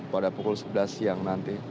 pada pukul sebelas siang nanti